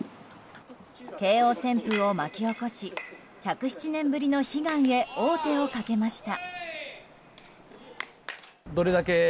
慶應旋風を巻き起こし１０７年ぶりの悲願へ王手をかけました。